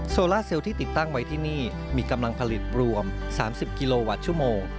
โซล่าเซลที่ติดตั้งไว้ที่นี่มีกำลังผลิตรวม๓๐กิโลวัตต์ชั่วโมง